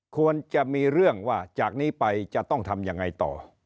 ควรจะมีเรื่องว่าจากนี้ไปจะต้องทำยังไงต่อ